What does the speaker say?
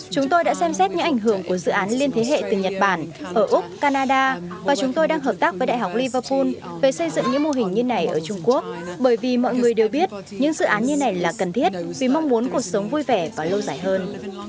chúng tôi đã xem xét những ảnh hưởng của dự án liên thế hệ từ nhật bản ở úc canada và chúng tôi đang hợp tác với đại học liverpool về xây dựng những mô hình như này ở trung quốc bởi vì mọi người đều biết những dự án như này là cần thiết vì mong muốn cuộc sống vui vẻ và lâu dài hơn